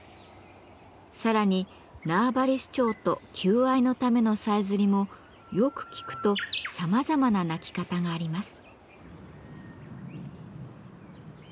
さらに縄張り主張と求愛のためのさえずりもよく聞くとさまざまな鳴き方があります。